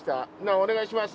お願いします。